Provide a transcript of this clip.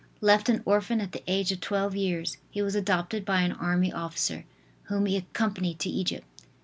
Left an orphan at the age of twelve years he was adopted by an army officer, whom he accompanied to Egypt.